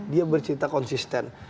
dia bercerita konsisten